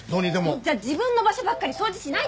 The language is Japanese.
じゃあ自分の場所ばっかり掃除しないでください！